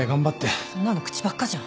そんなの口ばっかじゃん。